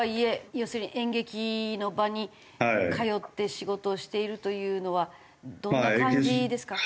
要するに演劇の場に通って仕事をしているというのはどんな感じですか？